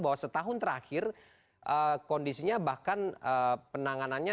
bahwa setahun terakhir kondisinya bahkan penanganannya